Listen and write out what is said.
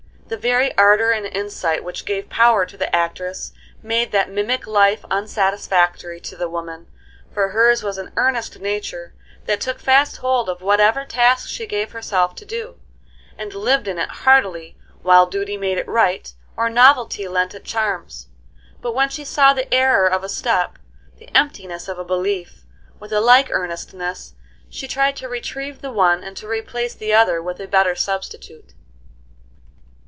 The very ardor and insight which gave power to the actress made that mimic life unsatisfactory to the woman, for hers was an earnest nature that took fast hold of whatever task she gave herself to do, and lived in it heartily while duty made it right, or novelty lent it charms. But when she saw the error of a step, the emptiness of a belief, with a like earnestness she tried to retrieve the one and to replace the other with a better substitute.